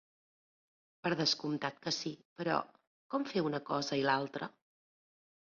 Per descomptat que sí... Però, com fer una cosa i l’altra?